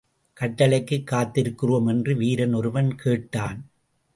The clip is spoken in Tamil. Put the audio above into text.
கட்டளைக்குக் காத்திருக்கிறோம்! என்று வீரன் ஒருவன் கேட்டான்.